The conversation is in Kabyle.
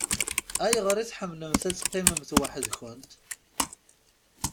Ayɣer i tḥemmlemt ad teqqimemt weḥd-nkent?